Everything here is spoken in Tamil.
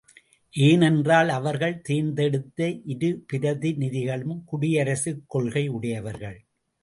ஏனென்றால் அவர்கள் தேர்ந்தெடுத்த இரு பிரதிநிதிகளும் குடியரசுக் கொள்கையுடையவர்கள்.